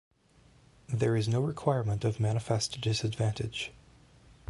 There is no requirement of manifest disadvantage.